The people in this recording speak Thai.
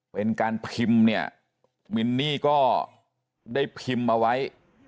เป็นการพิมพ์เนี่ยมินนี่ก็ได้พิมพ์เอาไว้